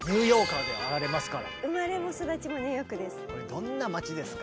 どんな街ですか？